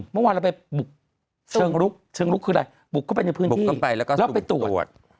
เมื่อวานเราไปบุกเชิงลุกเชิงลุกคืออะไรบุกเข้าไปในพื้นที่แล้วไปตรวจ